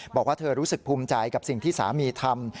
บอกว่าเธอรู้สึกภูมิใจกับสิ่งที่สามีทำ